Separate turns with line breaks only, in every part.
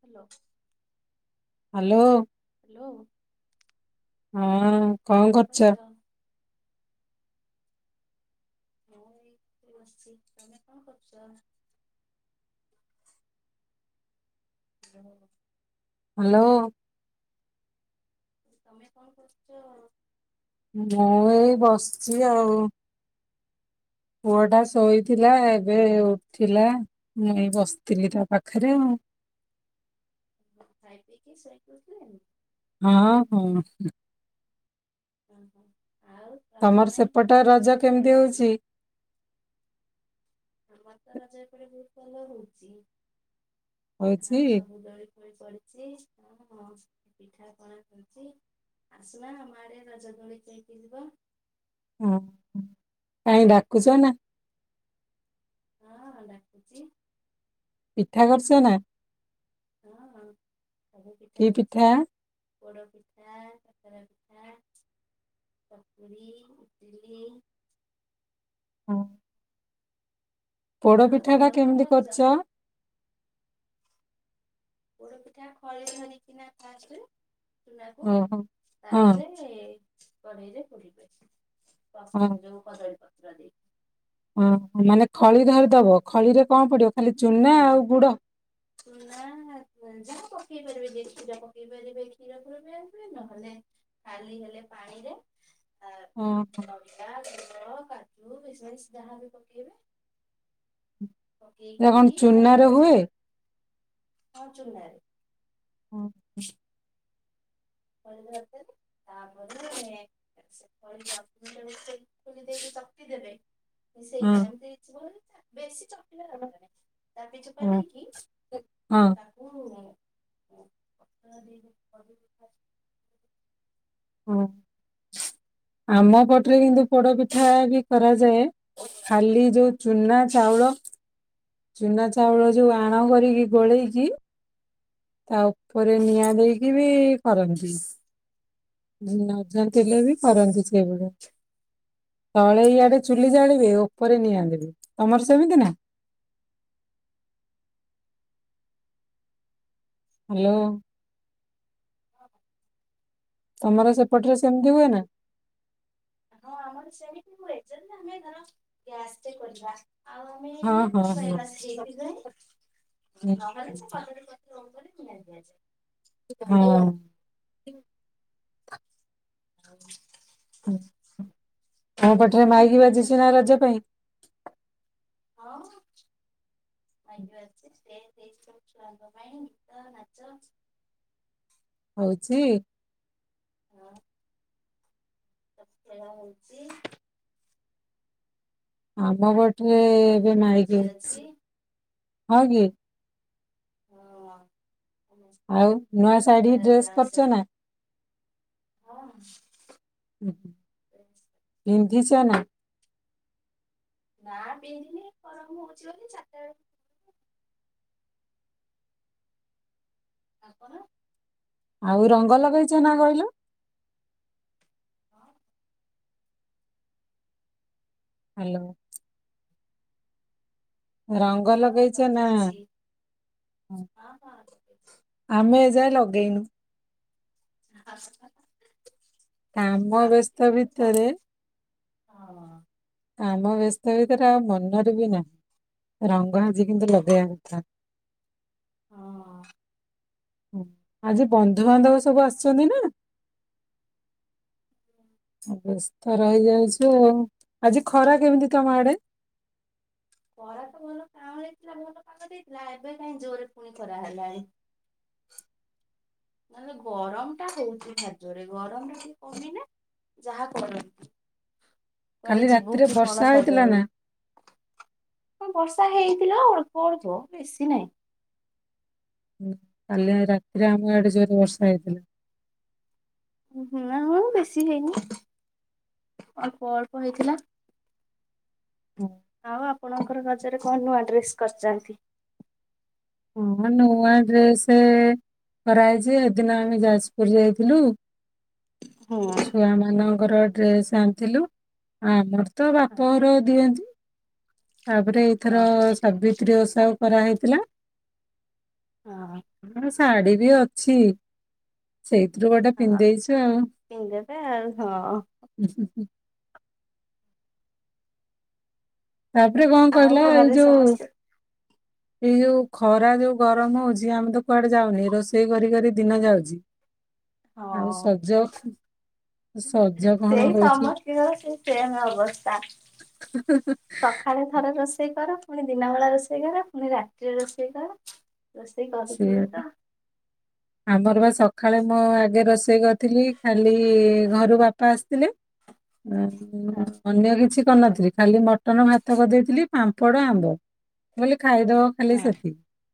Hello
hello
hello
ହଁ କଣ କରୁଛ?
ମୁଁ ଏଠି ବସିଛି ତମେ କଣ କରଛ? ହ
ହ୍ୟାଲୋ
ତମେ କଣ କରୁଛ?
ମୁଁ ଏଇ ବସିଛି ଆଉ। ପୁଅଟା ଶୋଇଥିଲା
ଖାଇବା
ଏବେ ଉ ଥିଲା, ମୁଁ ଏଇ ବସିଥିଲି ତା ପାଖରେ ଆଉ।
ଖାଇ ପିଇକି ଶୋଇକି ଉଠିଲେଣି?
ହଁ ହଁ।
ଓ ହୋ।
ତମର ସେପଟେ ରଜ କେମିତି
ହେଇଛି?
ହଉଛି?
ଆମର ତ ରଜ ଏପଟେ ବହୁତ ଭଲ ହଉଛି।
ହଉଛି
ଆଉ ସବୁ ଦୋଳି ଦୋଳି ପଡିଛି ଆଉ କଣ ପିଠା ପଣା ହେଉଛି, ଆସୁନା ଆମ ଆଡେ ରଜ ଦୋଳି ଖେଳିକି ଯିବ।
ହଁ ହଁ କାହିଁ ଡାକୁଛ ନା?
ହଁ ଡାକୁୁଚି।
ପିଠା କରିଛ ନା?
ହଁ ହଁ ସବୁ ପିଠା ହେଇଛି। ପୋଡ଼ପିଠା, କାକେରା ପିଠା, ଚକୁଳି, ଇଟିଲି।
ହଁ। ପୋଡ
ଆଉ
ପିଠା ଟା
ତମର କଣ
କେମିତି
କରିଛ?
କରୁଛ?
ପୋଡ଼ ପିଠା ଖଳି ଧରି କିନା ଫାଷ୍ଟ ଚୁନାକୁ
ଓହୋ ହଁ
ତାପରେ-ଏ-ଏ କଡେଇରେ ପୋଡ଼ିବେ। କଦ ଯୋଉ କଦଳୀ ପତ୍ର [inaudible]
ଓ ମାନେ ଖଳି ଢାଳି ଦବ, ଖଳିରେ କଣ ପଡିବ? ଖାଲି ଚୁନା
ହଁ
ଆଉ ଗୁଡ
ଚୁନା ଆ ଯାହା ପକେଇ ପାରିବେ ଯେମତି କ୍ଷୀର ପକେଇ ପାରିବେ କ୍ଷୀର ଫିର ବି ଆଣିବେ ନହେଲେ ଖାଲି ହେଲେ ପାଣିରେ ଆ
ଓହୋ
ଅଦା ଅ କାଜୁ, ଖିସମିସ୍ ଯାହା ବି ପକେଇବେ ଇ
ଏଟା କଣ
ଖଳି
ଚୁନାରେ ହୁଏ?
ଧରିଦେବେ ହଁ ଚୁନାରେ।
ହୁଁ।
ଖଳି ଧରିଦେବେ ତାପରେ ଖଳି [unintelligible] ଦେଇକି ଚକଟି ଦେବେ ସେଇ
ହଁ
ଯେମତି ଥିବ ହାରି ବେଶୀ ଚକଟିବା ଦରକାର ନାହିଁ ଚାପି ଚୁପା
ହଁ
ଦେଇକି
ହଁ
ତାକୁ [unintelligible]
ହଁ। ଆମ ପଟରେ କିନ୍ତୁ ପୋଡ ପିଠା ବି କରାଯାଏ ଖାଲି ଯୋଉ ଚୁନା ଚାଉଳ ଚୁନା ଚାଉଳ ଯୋଉ ଆଣ କରିକି ଗୋଳେଇକି ତା ଉପରେ ନିଆଁ ଦେଇକି ବି କରନ୍ତି ନଜାଣିଥିଲେ ବି କରନ୍ତି ସେଇଭଳିଆ। ତଳେ ଇଆଡେ ଚୁଲି ଜାଳିବେ ଉପରେ ନିଆଁ ଦେବେ ତମର ସେମିତି ନା? ହ୍ୟାଲୋ
[unintelligible]
ତମର ସେପଟରେ ସେମିତି ହୁଏ ନା?
ହଁ ଆମର ସେମିତି ହୁଏ ଯେମିତି ଆମେ ଧର ଗ୍ୟାସରେ କରିବା ଆଉ ଆମେ
ହଁ
ନିଆଁ
ହଁ
କୋଉଠୁ
ହଁ
ପାଇବା
ହୁଁ,
ସେଇଥିପାଇଁ ନହେଲେ ସେ କଦଳୀ ପତ୍ର ଉପରେ ନିଆଁ ଦିଆଯାଏ।
ହଁ।
ଆଉ
ତମ
ଆଉ ତମେ
ପଟରେ
କଣ
ମାଇକି
ପିଠା ସବୁ
ବାଜୁଛି ନା ରଜ
କରିଛନ୍ତି?
ପାଇଁ?
ହଁ ମାଇକ୍ ବାଜୁଛି ଷ୍ଟେଜ ହେଇଛି ସବୁ ଛୁଆଙ୍କ ପାଇଁ ଗୀତ, ନାଚ
ହଉଛି
ହଁ। ଖେଳ ହଉଛି
ହଁ। ଆମ ପଟେ
ଆଉ କାଲି
ଏବେ
ଭୋଜି
ମାଇକି ଅଛି। ହଁ କି?
ହଁ।
ଆଉ ନୂଆ ଶାଢୀ ଡ୍ରେସ୍
ଡ୍ୟାନ୍ସ
କରିଚ ନା
ହଁ
ପିନ୍ଧି ଚ ନା?
ନା ପିନ୍ଧିନି ଗରମ ହଉଛି ବୋଲି ଚାରିଟା ବେଳେ ଆପଣ?
ଆଉ ରଙ୍ଗ ଲଗେଇଛ ନା କହିଲୁ।
ହଁ
ହ୍ୟାଲୋ। ରଙ୍ଗ
ହଁ
ଲଗେଇଚ ନା
ଲଗେଇଛି ହଁ ହଁ
ଆମେ ଏ ଯାଏ ଲଗେ ଦେଇନୁ। କାମ ବ୍ୟସ୍ତ
ଖାଉଥିଲି
ଭିତରେ
ଗରମ ହଁ
କାମ ବ୍ୟସ୍ତ ଭିତରେ ଆଉ ମନରେ ବି ନାହିଁ ରଙ୍ଗ। କିନ୍ତୁ ଲଗେଇ କଥା।
ହଁ
ଆଜି ବନ୍ଧୁବାନ୍ଧବ ସବୁ ଆସିଛନ୍ତି ନା। ବ୍ୟସ୍ତ ରହିଯାଉଛି ଆଉ ଆଜି ଖରା କେମିତି ତମ ଆଡେ?
ଖରା ତ ଭଲ କାଁ ହେଇଥିଲା ଭଲ ପାାଗ ଦେଇଥିଲା ଏବେ କାହିଁ ଜୋରରେ ପୁଣି ଖରା ହେଲାଣି। ନହେଲେ ଗରମ ଟା ହଉଛି ଖାଦରେ ଗରମ ଟ ଟିକେ କମ ନା ଯାହା କରନ୍ତି।
କାଲି ରାତିରେ ବର୍ଷା ହୋଇଥିଲା ନା।
ବର୍ଷା ହେଇଥିଲା ଅଳ୍ପ ଅଳଥ ବେଶୀ ନହିଁ।
କାଲେ ରାତିରେ ଆମ ଏଡେ ଜୋରେ ବର୍ଷା ହେଇଥିଲା।
ମୁ ବେଶୀ ହେଇନି ଅଳପ ଅଳ୍ପ ହେଇଥିଲା। ଆଉ। ଆପଣଙ୍କର ନଜରେ କଣ ନୂଆ ଡ୍ରେସ୍ କରିଛନ୍ତି।
ହଁ ନୂଆ ଡ୍ରେସ କରହଛି ଏଦିନ ଆମେ ଯାଜପୁର ଯାଇଥିଲୁ।
ହୁଁ ହଁ
ଛୁଆ ମ ନ ର ଡ୍ରେସ ଆଣିଥିଲୁ ଆମର ତ ବାପ ଘର ଦିଅନ୍ତି। ତାପରେ ଏଇଥର
ହଁ।
ସାବିତ୍ରୀ ଓ ସା କରା ହେଇଥିଲା।
ହଁ
ହଁ। ଶାଢୀ ବି ଅଛି ସେଇ। ପିତୁ ଗଟେ
ହଁ
ପିନ୍ଧେଇଛ ଆଉ।
ପିନ୍ଧିଦେବେ ଆଉ ହଁ
ତାପରେ କଣ
ଆଉ
କହିଲା ଏଇ
ଘରେ
ଯୋଉ।
ସମସ୍ତେ
ଏଇ ଯୋଉ ଖରା ଯୋଉ ଗରମ ହଉଛି ଆମେ ତ କୁଆଡେ ଯାଉନି ରୋଷେଇ କରି କରି ଦିନ ଯାଉଛି। ଆଉ
ହଁ।
ସଜ ସଜ କଣ
ସେଇ
ହଉଛି।
ସମସ୍ତଙ୍କର ସେଇ ସେମ୍ ଅବସ୍ଥା। ସକାଳେ ଥରେ ରୋଷେଇ। କର ପୁଣି ଦିନ ବେଳା ରୋଷେଇ କର ପୁଣି ରାତିରେ ରୋଷେଇ କର। ରୋଷେଇ କରୁ କରୁ
ସେଆ ବା
ତ
ଆମର ବା। ସକାଳେ ମୋ ଆଗେ ରୋଷେଇ କରିଥିଲି କାଲି ଘରୁ ବାପା ଆସିଥିଲେ।
ହଁ
ଅନ୍ୟ କିଛି। କରିନଥିଲି ଖାଲି ମଟନ ଭାତ କରିଦେଇଥିଲି ପାମ୍ପଡ଼ ଆମ୍ବ। ମୁଲ ଖାଇଦ ଖାଲି
ହଁ।
ସେ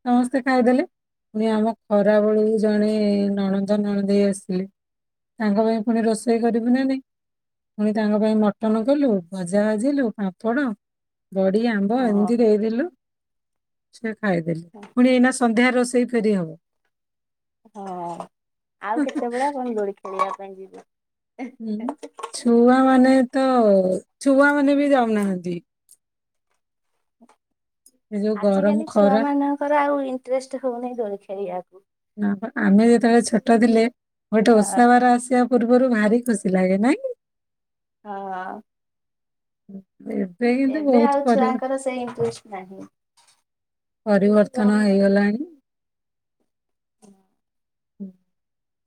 ହଁ ସେ। ଖାଇଦେଲେ ପୁଣି ଆମକୁ। ଖରାବେଳୁ ଜଣେ। ନଣନ୍ଦ ନଣନ୍ଦେଇ ଆସିଥିଲେ ତାଙ୍କ ପାଇଁ ପୁଣି ରୋଷେଇ କରିବି ନା ନାଇଁ ପୁଣି। ତାଙ୍କ ପାଇଁ ମଟନ କଲୁ। ଭଜା ଭାଜିଲୁ ପାମ୍ପଡ଼, ବଡି, ଆମ୍ବ
ହଁ
ଏମିତି ଦେଇଦେଲୁ। [inaudible] ଖାଇଦେଲି। ପୁଣି ଏଇନା ସ ସନ୍ଧ୍ୟା ରୋଷେଇ ଫେରି ହବ।
ହଁ ଆଉ କେତେବେଳ କଣ ଦୋଳି ଖେଳିଆକୁ। ବାଙ୍ଗିଦେ।
ହୁଁ ଛୁଆ ମାନେ ତ ଛୁଆ ମାନେ ବି ଯାଉନାହାଁନ୍ତି।
ହ
ଏ ଯୋଉ
[unintelligible]
ଗରମ
ଆଜିକାଲି ଛୁଆ
ଖରା
ମାନଙ୍କର ଆଉ ଇଣ୍ଟରେଷ୍ଟ ହଉନି ଦୋଳି ଖେ ଏୟାକୁ
ନାପା ଆମେ ଯେତେବେଳେ ଛୋଟ ଥିଲେ ଗୋଟେ ଓଷା
ହଁ
ବାର ଆସିବା ପୁ୍ରୁ ର୍ବରୁ ଭାରି ଖୁସି ଲାଗେ ନାଇଁ।
ହଁ।
ହୁଁ।
ଏବେ ଆଉ ଛୁଆଙ୍କର ସେଇ ଇଣ୍ଟରେଷ୍ଟ ନାହିଁ।
ପରିବର୍ତ୍ତନ ହେଇଗଲାଣି।
ହୁଁ।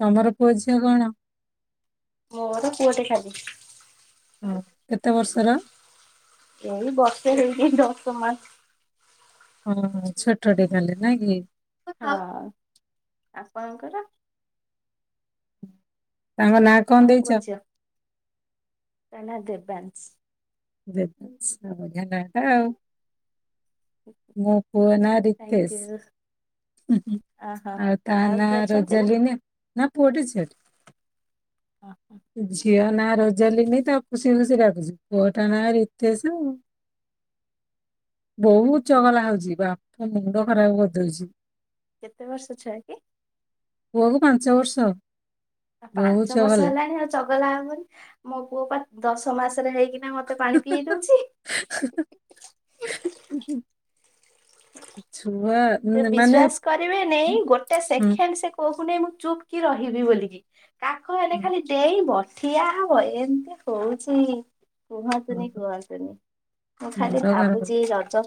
ତମର ପୁଅ ଝିଅ କଣ?
ମୋର ପୁଅଟେ ଖାଲି।
କେତେ ବର୍ଷର?
ଏଇ ବର୍ଷେ ହେଇଛି ଦଶମାସ।
ଅଁ ଛୋଟ ଟେ ତାଲେ ନାଇଁ କି?
ହଁ ଆପଣଙ୍କର।
ତାଙ୍କ ନାଁ କଣ
ପୁଅ
ଦେଇଛ?
ଝିଅ ବ୍ୟାନ୍ସ।
ବେଦାନ୍ସ ବଢିଆ ନା ଟାଉ। ମୋ ପୁଅ ନା
ଥ୍ୟାଙ୍କ ୟୁ
ରିତେଶ
ଅହୋ
ଆଉ ତାନା
କିଏ ଅଛନ୍ତି ନା?
ରଜାଲିନ ନା ପୁଅଟେ ଝିଅଟେ। ଝି ଝିଅ ନା ରୋଜାଲିନି ତାକୁ ଖୁସି ଖୁସି ଡାକୁଚି ପୁଅଟା ନା ରିତେଶେ ଆଉ। ବହୁତ୍।
ଓହୋ
ଚଗଲା ହଉଛି। ବାପ ମୁଣ୍ଡ ଖରାପ କରିଦଉଛି।
କେତେ ବର୍ଷ ଛୁଆ କି?
ପୁଅକୁ ପାଞ୍ଚ ବର୍ଷ। ବହୁତ
ପାଞ୍ଚ ବର୍ଷ
ଚଗଲା
ହେଲାଣି ଆଉ ଚଗଲା ହବନି ମୋ ପୁଅ ପା ଦଶ ମାସରେ ହେଇ କି ନା ମତେ ପାଣି ପିଇ ଦଉଛି।
ଆଛା।
ଏ ବିଶ୍ବାସ କରିବେନି ଗୋଟେ
ହୁଁ,
ସେକେଣ୍ଡ ସେ କଉ କୁ ନେଇ ମୁଁ ଚୁପ୍ କି ରହିବି ବୋଲିକି। କାଖ ହେଲେ
ହଁ,
ଖାଲି ଡେଇଁ ବସ ଠିଆ ହବ ଏମିତି ହଉଛି କୁହନ୍ତୁନି
ହଁ,
କୁହନ୍ତୁନି ମୁଁ ଖାଲି
ମୁଣ୍ଡ ଖରାପ
ଭାବୁଛି ଏ ରଜ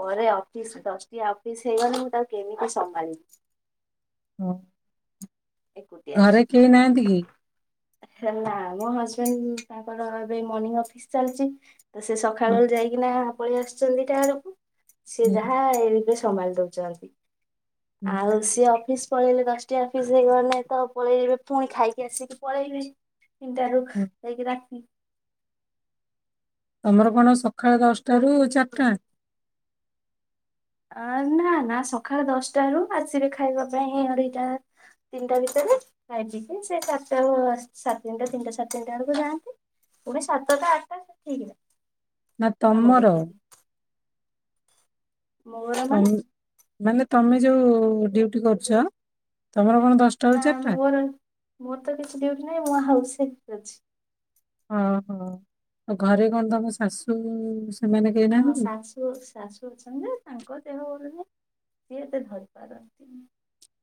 ପରେ ଅଫିସ ଦଶଟି ସେଇଆ ମାନେ ମୁଁ ତାକୁ କେମିତି ସମ୍ଭାଳିବି।
ହଁ। ଘରେ କେହି ନାହାନ୍ତି କି?
ହେଲା ମୋ ହଜବେଣ୍ଡ ଉ-ଉ ତାଙ୍କର ଏବେ ମର୍ଣିଂ ଅଫିସ ଚାଲିଛି। ତ ସେ
ହଁ,
ସକାଳ ବଳେ ଯାଇକିନା ପଳେଇ ଆସୁଛନ୍ତି ତା ବେଳକୁ। ସେ
ହୁଁ,
ଯାହା ଇ ସମ୍ଭାଳି ଦଉଚନ୍ତି।
ହୁଁ,
ଆଉ ସେ ଅଫିସ୍ ପଳେଇଲେ ଦଶଟା ଅଫିସ ହେଇଗଲେ ତ ପଳେଇବେ ପୁଣି ଖାଇକି ଆସିକି ପଳେଇବେ। ତିନି ଟାରୁ
ହୁଁ।
ଯାଇକି ରାତି
ତମର କଣ ସକାଳ ଦଶଟା ରୁ ଚାରିଟା?
ନା ନା ସକାଳ ଦଶଟା ରୁ ଆସିବେ ଖାଇବା ପାଇଁ ଅଢେଇଟା ତିନିଟା ଭିତରେ ଖାଇପିଇକି ସେ ଚାରିଟା ସାଢେ଼ ତିନିଟା ତିନିଟା ସାଢେ଼ ତିନିଟା ବେଳକୁ ଯାଆନ୍ତି। ପୁଣି ସାତଟା ଆଠଟା ସେ ଠିକ୍ ନାହିଁ।
ନା ତମର?
ମୋର
ତମ
ମାନେ
ମାନେ ତମେ ଯୋଉ ଡ୍ୟୁଟି କରୁଛ? ତମର କଣ ଦଶଟାରୁ
ନା
ଚାରିଟା
ମୋର ମୋର ତ କିଛି ଡିୟୁଟି ନାହିଁ ମୁଁ ହାଉସୱାଇଫ୍। ଆଛା।
ଓହୋ ଘରେ କଣ ତମ ଶାଶୁ-ଉ-ଉ-ଉ
ହଁ ଶାଶୁ ଶାଶୁ ଅଛନ୍ତି ଯେ ତାଙ୍କ ଦେହ ଭଲ ନାହିଁ ସିଏ ଏତେ ଧରି ପାରନ୍ତିନି।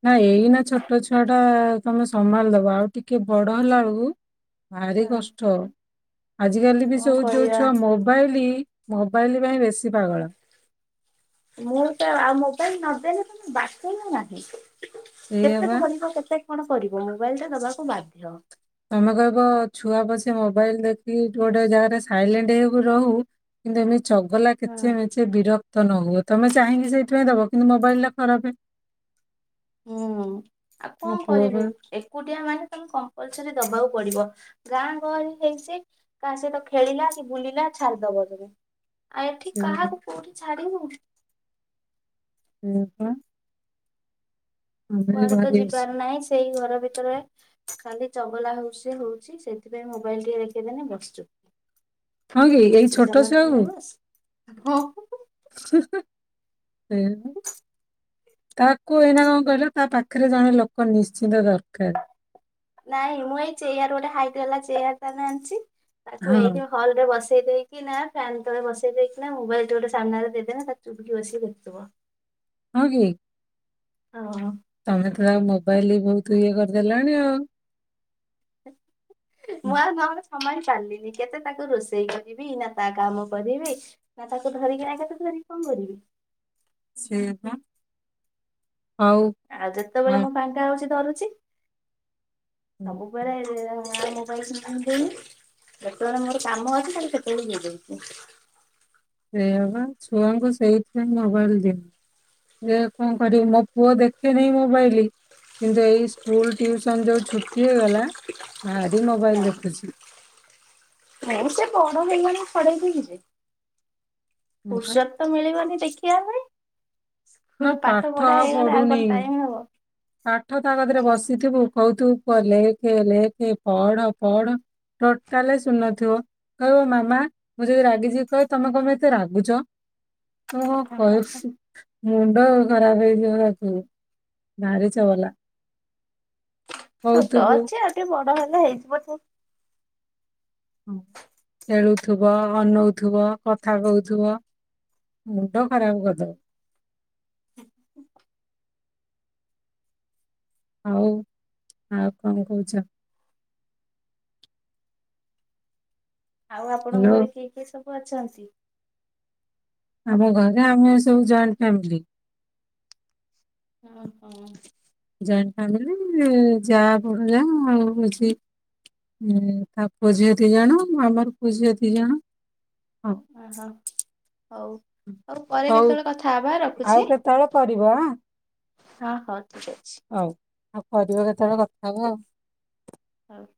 ନା ଏଇ ନା ଛୋଟ ଛୁଆ ଟା ତମେ ସମ୍ଭାଳିଦବ ଆଉ ଟିକେ ବଡ ହେଲା ବେଳକୁ ଭାରି
ହଁ
କଷ୍ଟ। ଆଜିକାଲି ବି
କଣ
ସବୁ ଯୋଉ
କରିବା
ଛୁଆ ମୋବାଇଲି ମୋବାଇଲ ପାଇଁ ବେଶୀ ପାଗଳ।
ମୁଁ ତ ଆଉ ମୋବାଇଲ ନଦେଲେ ତ ବାଟ ହଁିନାହିଁ।
ଏଇଆ
କେତେ
ବା
ଧରିବ କେତେ? କଣ କରିବ ମୋବାଇଲି ଟା ଦବାକୁ ବାଧ୍ୟ।
ତମେ କହିବ ଛୁଆ ବସି ମୋବାଇଲ ଦେଖିକି ଗୋଟେ ଜାଗାରେ ସାଇଲେଣ୍ଟ୍ ହେଇକି ରହୁ। କିନ୍ତୁ ଏମିତି ଚଗଲା
ହଁ।
କିଚେ ମିଚେ ବିରକ୍ତ ନ ହୁଅ। ତମେ ଚାହିଁକି ସେଇଥିପାଇଁ ଦବ କିନ୍ତୁ ମୋବାଇଲ ଟା ଖରାପ
ହୁଁ ଆଉ
ମୋ
କଣ
ପୁଅ
କରିବୁ
ବା
ଏକୁଟିଆ ମାନେ ମେ କମ୍ପଲସରି ଦବାକୁ ପଡିବ। ଗାଁ ଗହଳି ହେଇଛି କାହା ସହିତ ଖେଳିଲା କି ବୁଲିଲା ଛାଡିଦବ ତମେ। ଆଉ ଏଠି
ସେ
କାହାକୁ କୋଉଠି ଛା ଛାଡିବୁ।
ସେୟା ପା।
କୁଆଡେ ତ
ଅଛି।
ଯିବାର ନାହିଁ ସେଇ ଘର ଭିତରେ ଖାଲି ଚଗଲା ହଉଛି ଯେ ହଉଛି। ସେଥିପାଇଁ ମୋବାଇଲ ଟିକେ ଦେଖେଇ ଦେଲେ ବସି ଚୁପ୍।
ହଁ କି ଏଇ ଛୋଟ ଛୁଆ କୁ
ହଁ [unintelligible]
ହିଁ ହି [unintelligible] ସେୟା ବା। ତାକୁ ଏଇନା କଣ କହିଲ ତା ପାଖ ପାଖରେ ଜଣେ ଲୋକ ନିଶ୍ଚିନ୍ତ ଦରକାର।
ନାଇଁ ମୁଁ ଏଇ ଚେୟାର ଗୋଟେ ହାଇଟ ବାଲା ଚେୟାର ତାନେ ଆଣିଛି। ତାକୁ
ହଁ
ଏଇଠି ହଲ ରେ ବସେ ବସେଇ ଦେଇକି ନା ଫ୍ୟନ୍ ତଳେ ବସେଇ ଦେଇକି ନା ମୋବାଇଲ ଏଠି ଗୋଟେ ସାମ୍ନାରେ ଦେଇଦେନେ ତାର ଚୁପୁକି ବସିକି ଦେଖୁଥିବ।
ହଁ କି?
ଓହୋ।
ତମେ ତ ମୋବାଇଲ ବହୁତ ଇଏ କରିଦେଲଣି ଆଉ।
ମୁଁ ଆଉ ନହେଲେ ସମ୍ଭାଳି ପାରଲିନି କେତେ ତାକୁ ରୋଷେଇ କରିବି। ନା ତା କାମ କରିବି। ନା ତାକୁ ଧରିକିନା କେତେ ଧରିକି କଣ କରିବି।
ସେଇଆ ପା। ହଉ
ଆଉ
ଆ
ଯେତେବେଳେ ମୁଁ ଫାଙ୍କା ହଉଛି ଧରୁ ଛି।
ହୁଁ,
ସବୁବେଳେ ମା ମୋବାଇଲ [unintelligible] ନାହାନ୍ତି ଯେତେବେଳେ ମୋର କାମ ଅଛି ତାହେଲେ ସେତେବେଳେ ଦେଇଦଉଛି।
ସେୟା ପା ଛୁଆଙ୍କୁ ସେଇଥିପାଇଁ ମୋବାଇଲ ଦିଅନି। ଯେ କଣ କରିବି ମୋ ପୁଅ ଦେଖେନି ମୋବାଇଲି। କିନ୍ତୁ ଏଇ ସ୍କୁଲ ଟିୁସନ ଯୋଉ ଛୁଟି ହେଇଗଲା। ଭାରି ମୋବାଇଲ ଦେଖୁଛି।
ହଁ ସେ ବଡ ହେଇଗଲା ଛଡେଇଦେବୀ ଯେ।
ହଁ ବା।
ଫୁରସତ ତ ମିଳିବନି ଦେଖି କିଆଁ ପାଇଁ।
ନା
ସ୍କୁଲ ପାଠ ପଢା ହେଇଗଲା ଆଉ କଣ ଟାଇମ ହବ।
ପାଠତା କତିରେ ବସିଥିବୁ କୋହୁଥିବୁ। ପୁଅ ଲେଖେ ଲେଖେ ପଢ଼ ପଢ ଟୋଟାଲେ ଶୁଣୁ ନଥିବ କହିବ ମାମା ମୁଁ ଯଦି ରାଗିଯିବି କହିବ ତମେ କଣ ଏତେ ରାଗୁଚ। ଓହୋ
ହଁ
କଇ ମୁଣ୍ଡ ଖରାପ ହେଇଯିବ ତାକୁ। ଭାରି ଚଗଲା।
ଛୋଟ
କହୁଥିବୁ
ଅଛି ଆଉ ଟିକେ ବଡ ହେଲେ ହେଇଯିବ ଠିକ୍।
ହଁ ଖେଳୁଥିବ ଅନୋଉଥିବ କଥା କୋହୁଥିବ ମୁଣ୍ଡ ଖରାପ କରିଦବ।
[inaudible]
ଆଉ ଆଉ କଣ କୋହୁଚ?
ଆଉ ଆପଣଙ୍କ
ହ୍ୟାଲୋ
ଘରେ କିଏ କିଏ ସବୁ? ସବୁ ଅଛନ୍ତି।
ଆମ ଘରେ ଆମେ ସବୁ ଜଏଣ୍ଟ ଫ୍ୟାମିଲି।
ଓ ହୋ।
ଜଏଣ୍ଟ ଫ୍ୟାମିଲି ଯା ବଡ ଯା ଆଉ ହୋଉଚି ତା ପୁଅ ଝିଅ ଦିଇ ଜଣ ଆମର ପୁଅ ଝିଅ ଦିଇ ଜଣ। ହଉ
ଓହୋ ହୋଉ ହୋଉ ପରେ
ହଉ
କେତେବେଳେ କଥା ହବା
ଆଉ
ରଖୁଚି।
କେତେବେଳେ କରିବ ଆଁ
ହଁ ହୋଉ। ଠିକ୍ ଅଛି।
ହଉ ଆଉ କରିବା କେତେବେଳେ କଥା ହବ ଆଉ।
ହୋଉ।